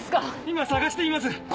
今探しています！